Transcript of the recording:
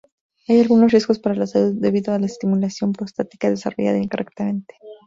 Hay algunos riesgos para la salud debidos a la estimulación prostática desarrollada incorrectamente.